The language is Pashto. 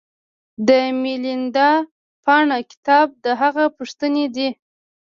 د میلیندا پانه کتاب د هغه پوښتنې دي